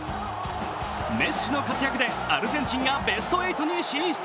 メッシの活躍でアルゼンチンがベスト８に進出。